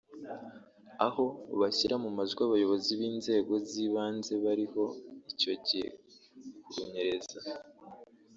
aho bashyira mu majwi abayobozi b’inzego z’ibanze bariho icyo gihe kurunyereza